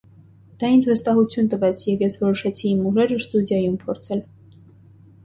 Դա ինձ վստահություն տվեց և ես որոշեցի իմ ուժերը ստուդիայում փորձել։